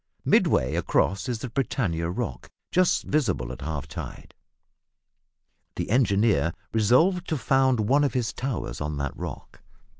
Midway across is the Britannia Rock, just visible at half tide. The engineer resolved to found one of his towers on that rock.